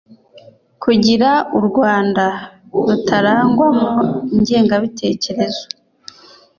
Kugira u Rwanda rutarangwamo ingengabitekerezo